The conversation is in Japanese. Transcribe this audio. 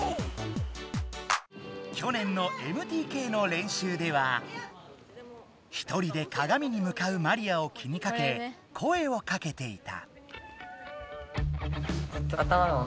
去年のＭＴＫの練習では１人でかがみにむかうマリアを気にかけ声をかけていた。